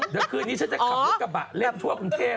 เดี๋ยวคืนนี้ฉันจะขับรถกระบะเล่นทั่วกรุงเทพ